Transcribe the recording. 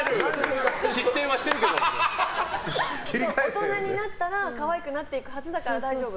大人になったら可愛くなっていくはずだから大丈夫。